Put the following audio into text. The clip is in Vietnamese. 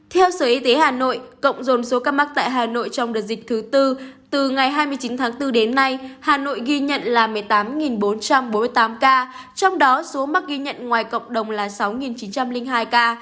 theo sở y tế hà nội cộng dồn số ca mắc tại hà nội trong đợt dịch thứ tư từ ngày hai mươi chín tháng bốn đến nay hà nội ghi nhận là một mươi tám bốn trăm bốn mươi tám ca trong đó số mắc ghi nhận ngoài cộng đồng là sáu chín trăm linh hai ca